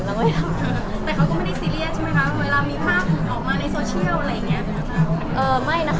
ก็ยังแต่เขาก็ไม่ได้ซีเรียสใช่ไหมคะเวลามีภาพออกมาในโซเชียลอะไรอย่างนี้